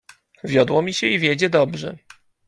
"Wiodło mi się i wiedzie dobrze."